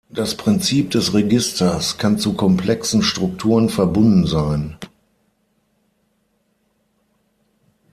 Das Prinzip des Registers kann zu komplexen Strukturen verbunden sein.